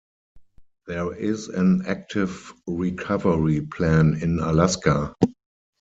There is an active recovery plan in Alaska.